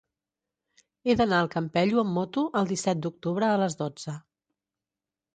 He d'anar al Campello amb moto el disset d'octubre a les dotze.